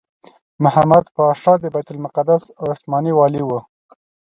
محمد پاشا د بیت المقدس عثماني والي وو.